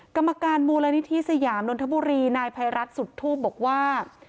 กรรมการมูลนิธิสยามนนทบุรีนายภัยรัฐสุดทูบบอกว่า